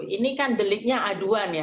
ini kan deliknya aduan ya